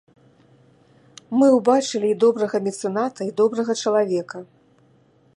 Мы ўбачылі і добрага мецэната, і добрага чалавека.